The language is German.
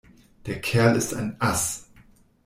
Der Kerl ist ein Ass.